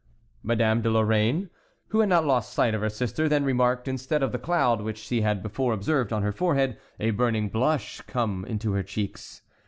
Madame de Lorraine, who had not lost sight of her sister, then remarked, instead of the cloud which she had before observed on her forehead, a burning blush come into her cheeks.